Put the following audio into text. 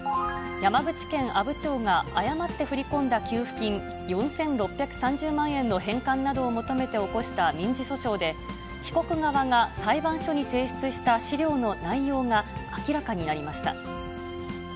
山口県阿武町が誤って振り込んだ給付金４６３０万円の返還などを求めて起こした民事訴訟で、被告側が裁判所に提出した資料の内容が明らかになりました。